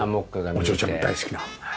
お嬢ちゃんが大好きな。